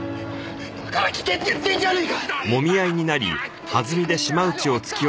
だから聞けって言ってんじゃねえか！